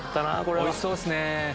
おいしそうですね。